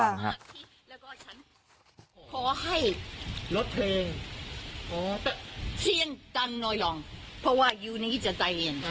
แล้วก็ฉันขอให้ลดเพลงอ๋อแต่เชี่ยงกันหน่อยหรอกเพราะว่ายูนี้จะใจเอง